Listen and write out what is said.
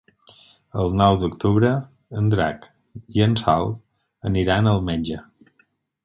El nou d'octubre en Drac i en Sol aniran al metge.